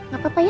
gak apa apa ya